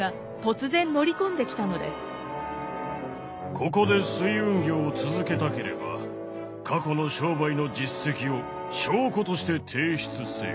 ここで水運業を続けたければ過去の商売の実績を証拠として提出せよ。